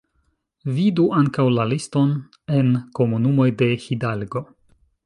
Vidu ankaŭ la liston en komunumoj de Hidalgo.